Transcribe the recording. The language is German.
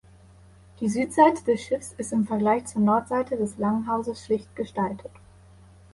Die Südseite des Schiffs ist im Vergleich zur Nordseite des Langhauses schlicht gestaltet.